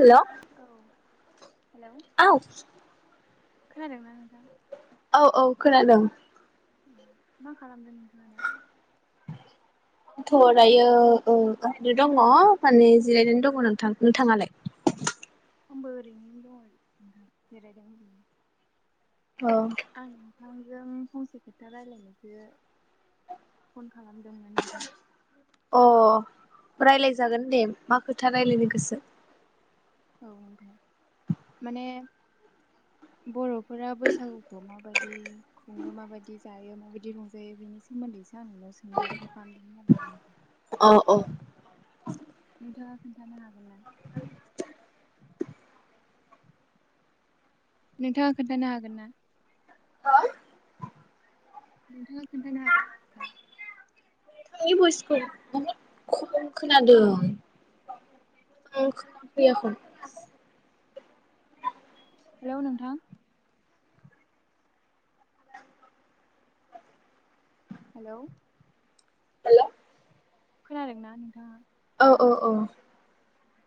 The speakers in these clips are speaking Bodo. हेल' औ औ खोनादों ना नों औ औ खोनादों। मा खालामदों नोंथाङालाय थ' दायो ओव दङ माने जिरायनानै दङ नोंथां नोंथाङालाय? आबो ओरैनो दं नोंथां जेरायदों ओरैनो औ आं नोंथांजों फंसे खोथा रायजलायनोसो फन खालाम अह रायलाय जागोन दे मा खोथा रायलायनो गोसो औ दे माने बर' फोरा बैसागुखौ माबायदि खुङो माबायदि जायो माबायदि रंजायो बेनि सोमोन्दैसो आं नोंनाव सोंनो कल खालामदोंमोन आरोना नोंथां अ अ [inaudible] नोंथाङा खोथानो खोन्थानो हागोन ना? [inaudible] नोंथाङा खोन्थानो हागोन ना? नोंथांनि नोंथाङा खोन्थानो हागोन ना होमबा? भइसखौ बहुद खम खोनादों आं खोनफैयखौै हेलौ नोंथां हेलौ हेलौ खोनादोंना नोंथाङा? अह अह अह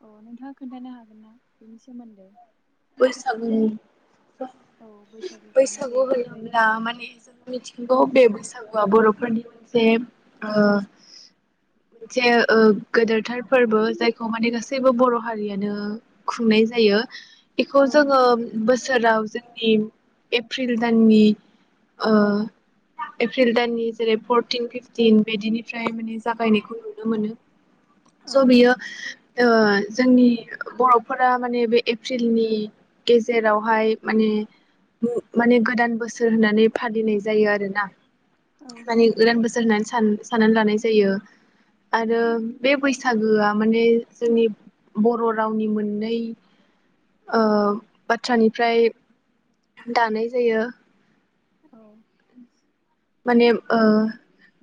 अह नोंथाङा खोन्थानो हागोन ना बेनि सोमोन्दै? बैसागुनि? औ बैसागुखौ मारै बैसागु रंजायो होनोला माने जोङो मिथिंगौ बे बैसागुआ बर'फोरनि मोनसे ओ मोनसे ओ गोदोरथार फोरबो जायखौ माने गासैबो बर' हारियानो खुंनाय जायो बेखौ औ जोङो बोसोराव जोंनि एप्रिल दाननि ओ एप्रिल दाननि जेरै फरटिन फिफटिन बिदिनिफ्राय माने जागायनायखौ नुनो मोनो। स' औ बियो ओ जोंनि बर'फोरा माने बे एप्रिलनि गेजेरावहाय माने मुं माने गोदान बोसोर होननानै फालिनाय जायो आरोना औ माने नोंथां गोदान बोसोर होनानै सान साननानै लानाय जायो आरो बे बैसागोआ माने जोंनि बर' रावनि मोननै ओ बाथ्रानिफ्राय दानाय जायो। औ माने ओ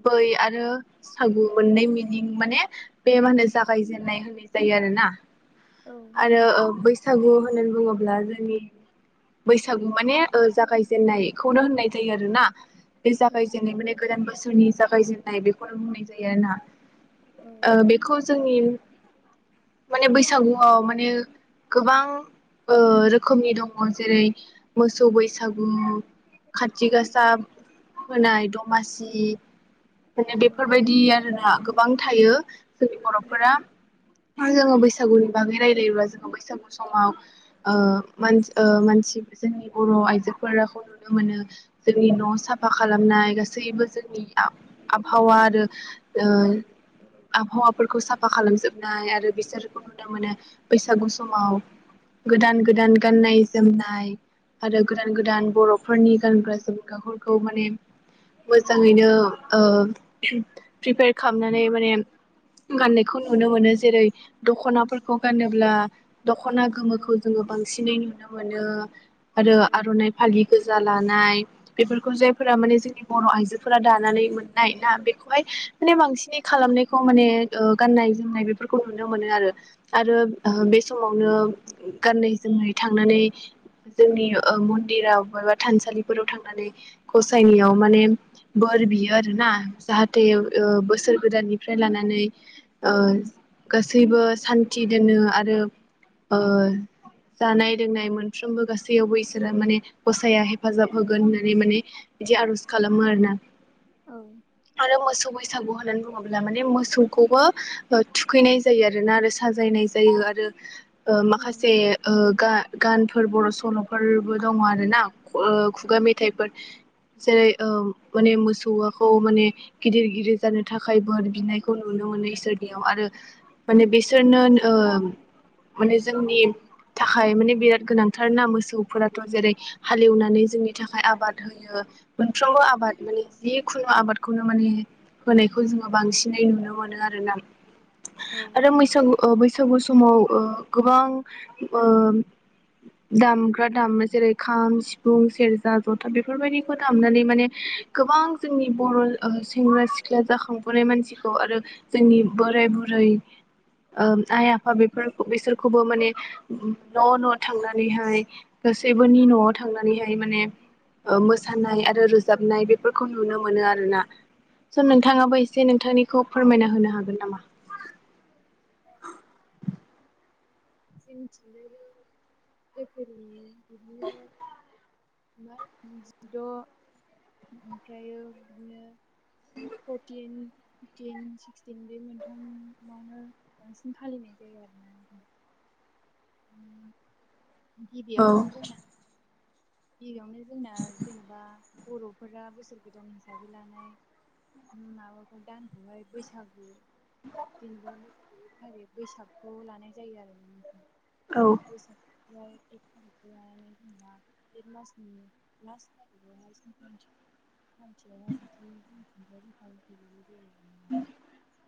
बै आरो सागु मोननै मिनिं माने बे मा होनो जागायजेनन्नाय होननाय जायो आरोना आरो ओ बैसा सागु होननानै बुङोब्ला जोंनि बैसागु माने ओ जागायजेननायखौनो होननाय जायो आरोना बे औ जागाय जेननाय माने गोदान बोसोरनि जागायजेनन्नाय बेखौनो बुंनाय जायो आर ना ओ बेखौ जोंनि माने बैसागुआव माने गोबां ओ रोखोमनि दङ जेरै मोसौ बैसागु खाथि औ गासा होनाय दमासि माने औ बेफोरबायदि आरो ना गोबां थायो जोंनि औ बर'फोरा जोङो बैसागुनि बागै रायलायोबब्ला जोङो बैसागु समाव मानसि जोंनि बर' आइजोखौ नुनो मोनो जोंनि न' सा साफा खालामनाय गासैबो जोंनि आबहावा आरो आबहावाफोरखौ साफा खालामजोबनाय आरो बिसोरखौ नुनो मोनो बैसागु समाव गोदान गोदान गाननाय जोमनाय आरो औ गोदान गोदान बर'फोरनि गानग्रा [unintelligible] खौ माने मोजाङैनो ओ प्रिपेयार खालामनानै माने गाननायखौ नुनो मोनो जेरै दख'नाफोरखौ गानोब्ला दख'ना गोमोखौ जोङो बांसिनै नुनो मोनो। मोनो आरो आर'नाइ फालि गोजा लानाय बेफोर जायफोरा माने जोंनि बर' आइजोफोरा दानानै मोननाय ना बेखौहाय माने बांसिनै खालामनायखौ माने ओ गाननाय जोमनाय बेफोरखौ नुनो मोनो आरो आरो ओ बे समावनो गाननाय जोमनाय थांनानै जोंनि ओ मन्दिराव बबेबा थानसालिफोराव थांनानै गसायनियाव माने बोर बियो आरोना जाहाथे ओ बोसोर गोदाननि निफ्राय लानानै ओ गासैबो सान्थि दोनो आरो ओ जानाय लोंनाय मोनफ्रोमबो गासैयावबो इसोरा माने गसाया हेफाजाब होगोन होननानै माने बिदि आर'ज खालामो आरो ना औ आरो मोसौ बैसा बैसागु होननानै बुङोब्ला माने मोसौखौबो ओ थुखैनाय जायो आरोना आरो साजायनाय जायो आरो ओ औ माखासे ओ गा गानफोर बर' सल'फोरबो दङ आरोना खु ओ खुगा मेथाइफोर जेरै ओ माने मोसौआखौ माने गिदिर गिदिर जानो थाखाय बोर बिनायखौ नुनो मोनो इसोरनियाव आरो माने बिसोरनो ओ माने जोंनि थाखाय माने बिराद गोनांथार ना मोसौफोराथ जेरै हालेवनानै जोंनि थाखाय आबाद हो यो मोनफ्रोमबो आबाद माने जिखुनु आबादखौनो माने होनाय खौ जोङो औ बांसिनै नुनो मोनो आरोना औ आरो मैसागु ओ बैसा सागु समाव ओ गोबां ओ दामग्रा दामो जेरै खाम सिफुं सेरजा जथा बे बेफोरबायदिखौ दामनानै माने गोबां जोंनि बर' ओ सेंग्रा सिख्ला जाखांफुनाय मानसिखौ आरो जोंनि बोराय बुरै ओ आइ आफा बे बिसोरखौबो माने न' न' थांनानैहाय गासैबोनि न'आव थांनानैहाय माने ओ मोसानाय आरो रोजाबनाय बेफोरखौ नुनो मोनो आरोना स' नोंथाङाबो एसे नोंथांनिखौ फोरमायना होनो हागोन नामा जों मिथिनाया [unintelligible] बिदिनो जिद' ओमफ्रायो बिदिनो [unintelligible] फिफटिन सिक्सटिन बे मोनथामावनो बांसिन फालिनाय जायो आरोना उम औ गिबियावनो जोंना गिबियावनो जोंना जेनेबा बर'फोरा बोसोर गोदान हिसाबै लानाय माबाखौ दानखौहाय बैसागु [unintelligible] [unintelligible] थारिक बैसागखौ लानाय जायो आरो औ [unintelligible] [unintelligible] [inaudible]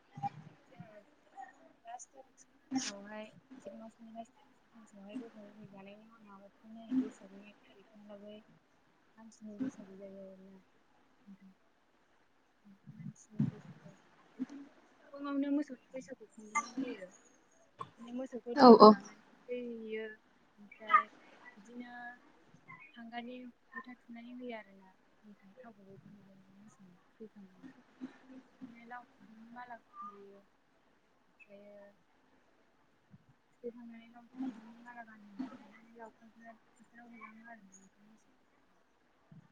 [inaudible] दा बेयावहाय चैत मास नि लास तारिकावहाय गोखा गोखै जानायनि उनाव जानायनि नाय बैसागनि एक थारिख [unintelligible] सानसेनि बैसागु जायो आरोना [inaudible] फुङावनो मोसौनि फैसागु खुंनाय जायो बिदिनो मोसौखौ औ दैयाव लाङो दै बियो ओमफ्राय बिदिनो हांगारनि फोथा थुनानै होयो आरोना थाव गबैजों गब मोस सखां बिदिनो लाव खुन्दुं माला फायो ओमफ्रायो थुखैखांनानै लाव फाव मारला गानहैनानै बिदिनो लावफफ फोथाराव होलाङो आरोना बे मफोरखौ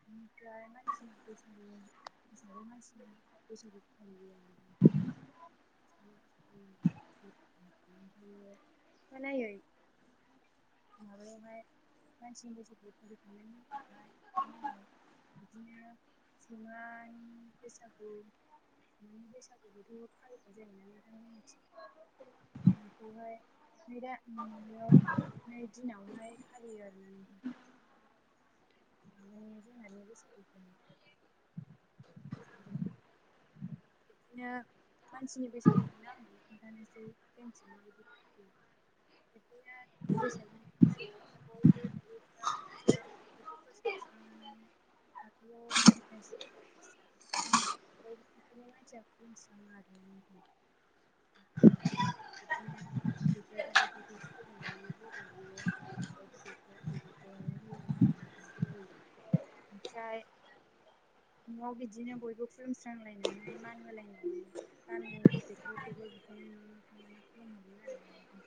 बेनिफ्राय मानसि बैसागु हिसाबै मानसि बैसागु फालियो आरोना [unintelligible] अखानायै माबायावहाय मानसिनि बैसागु फालिखांनायनि उनावहाय साफानायै बिदिनो सैमानि बैसागु सैमानि बैसागुबोथ' फालिनाय जायोना नोंथांमोननिथिं बेखौहाय नै दायाव नै दिनावहाय फालियो आरोना नोंथां आंलाय जोंहानि बैसागुखौ [inaudible] बिबदिनो मानसिनि बैसागुखौनो आं खोन्थानोसै जोंथिं माबायदि फालियो बिबदिनो बैसागुनि एक तारिकावहाय बयबो दुगैस्रां लोबस्रां थाथौखौ सिबस्रांनानै बाथौआव लिरस्रां लस्रां बे मानसिया खुलुमस्राङो आरो बिदिनो उन्दैफ्रा गिदिरफोरखौ खुलुमनानै बोर लायो गिरिरफ्रा उन्दैफोरखौ अननाय होयो आरो ओमफ्राय न'आव बिदिनो बयबो खुलुमस्रांलायनानै मान होलायनानै गामिनि गिदिरफोरखौबो बिदिनो न'आव थांनानै खुलुमहरयो आरो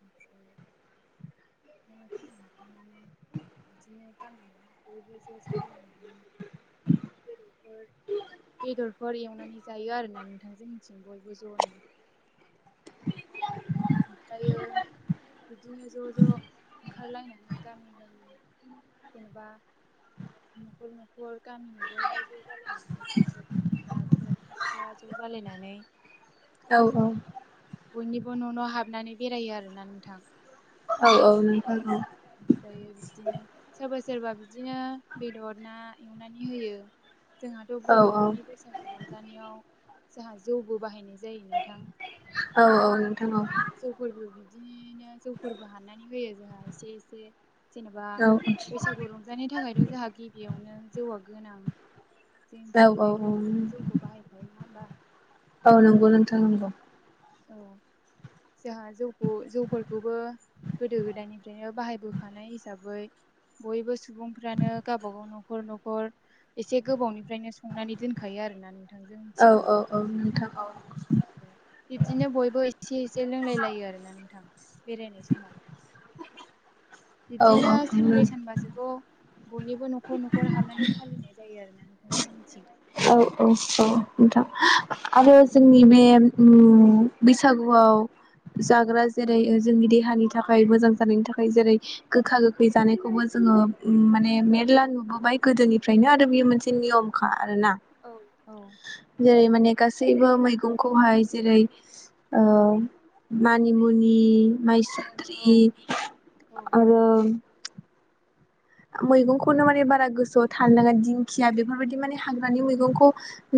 न फ्राय न' खुलुमांनानै बिदिनो गाननानै बयबो ज' जाललायनानै बेदफोर बेदरफोर एवनानै जायो आरोना नोंथां जोंनिथिं बयबो ज'नो [inaudible] ओमफ्रायो बिदिनो ज' ज' ओंखारलायनानै गामि गामि जेन'बा न'खर न'खर गामिनि बयबो ' ज' जालायनानै सेंग्रानि सेंग्रा सिख्लानि सिख्ला ज' जालायनानै औ औ बयनिबो न'न हाबनानै बेरायो आरोना नोंथां औ औ नों थां औ ओमफ्रायो बिदिनो सोरबा सोरबा बिदिनो बेदर ना एवनानै होयो। जोंहाथ' औ बर'फोरनि बैसागु रंजा जानायाव जोंहा जौबो बाहायनाय जायो नोंथां औ औ नोंथां जौफोरबो बिदिनो जौफोरबो हाननानै होयो जोंहा एसे एसे जेनेबा औ बैसागु रंजानाय थाखाय जोंहा गिबियावनो जौआ गोनां औ जोंथिंजायथ' औ बयबो जौखौ बाहायखायो नङा होमबा औ नंगौ नोंथां नंगौ औ जोंहा जौखौ जौफोरखौबो गोदो गोदायनिफ्रायनो बाहायबोखानाय हिसाबै बयबो सुबुंफ्रानो गावबा गाव न'खर न'खर एसे गोबावनिफ्रायनो संनानै दोनखायो आरोना नों औ औ औ नोंथां औ बिबदिनो बयबो एसे एसे लोंलाय लायो आरो ना नोंथां। बेरायनाय समाव बिब्दिनो औ औ सानब्रै सानबासोखौ बयनिबो न'खर न'खर खर हाबनानै फालिनाय जायो आरो ना। [unintelligible] औ औ औ नोंथां आरो जोंनि बे ओम बैसागुआव जाग्रा जेरै जोंनि देहानि थाखाय मोजां जानायनि थाखाय जेरै गोखा गोखै जानायखौबो जोङो माने मेरला नुबोबाय गोदोनिफ्रायनो आरो बेयो मोनसे नियमखा आरोना। औ औ जेरै माने गासै बो मैगंखौहाय जेरै ओ मानि मुंनि माइ सुन्द्रि औ आरो मैगंखौनो माने बारा गोसोआव थानो नाङा दिंखिया बेफोरबायदि माने हाग्रानि मैगंखौ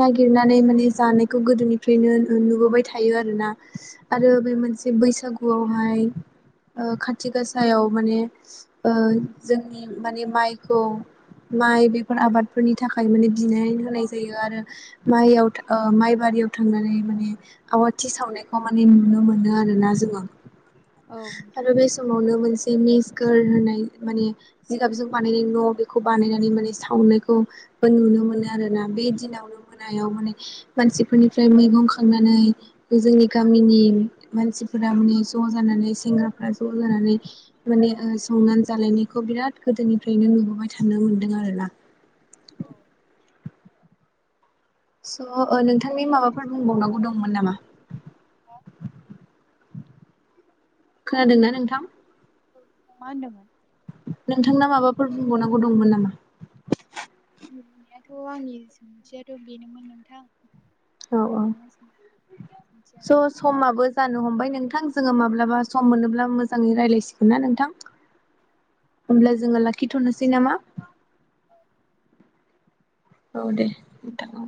नागिरनानै माने जानायखौ गोदोनिफ्रायनो नुबोबाय थायो आरो ना। आरो बे मोनसे बैसागुआवहाय ओ खाथि गासायाव माने ओ जों माने माइखौ माइ बेफोर आबादफोरनि थाखाय माने बिनानै होनाय जायो आरो माइयाव ओ माइ बारियाव थांनानै माने आवाथि सावनायखौ माने नुनो मोनो आरोना जोङो। औ नोंथां आरो बे समावनो मोनसेनि गोर होनाय माने जिगाबजों बानायनाय न' बेखौ बानायनानै माने सावनायखौबो नुनो मोनो आरोना बे दिनावनो मोनायाव माने मानसिफोरनिफ्राय मैगं खांनानै जोंनि गामिनि मानसिफोरा माने ज' जानानै सेंग्राफ्रा ज' जानानै माने ओ संनानै जालायनायखौ बिराद गोदोनिफ्रायनो नुबोबाय थानो मोन्दों आरोना। औ स' ओ नोंथांनि जाबाय माबाफोर बुंबावनांगौ नोंथां दंमोन नामा? खोनादोंना नोंथां? औ मा होनदोंमोन? नोंथांना माबाफोर बुंबावनांगौ दंमोन नामा? बुंनायाथ' आंनि सोंथियाथ' बेनोमोन नोंथां औ औ नोंनि सोंनाय सोंथिया स' समाबो जानो हमबाय नोंथां। नोंथां जोङो माब्लाबा सम मोनोब्ला मोजाङै रायलायसिगोन ना नोंथां। होमब्ला जोङो लाखिथ'नोसै नामा? औ दे नोथां।